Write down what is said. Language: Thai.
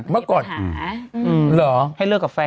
เมื่อก่อนเหรอให้เลิกกับแฟน